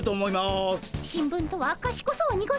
新聞とはかしこそうにございますね。